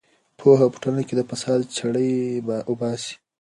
پوهه په ټولنه کې د فساد جرړې وباسي.